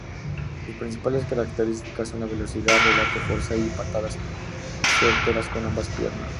Sus principales características son la velocidad, regate, fuerza, y patadas certeras con ambas piernas.